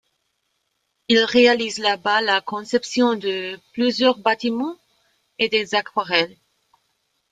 Il réalise là-bas la conception de plusieurs bâtiments, et des aquarelles.